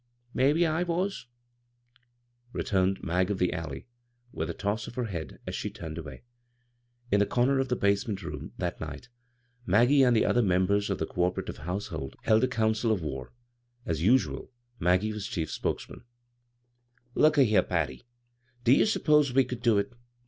" Mebbe I was," returned " Mag of the Al ley " with a toss of her head as she turned away. In the comer of the basement room that nig^t Mag^e and the other members of the cooperative household held a coundl 13a bvGoog[c CROSS CURRENTS of war. As usual, Maggie was chief spokes maiL "Look a here, I^tty, do you s'pose we could do it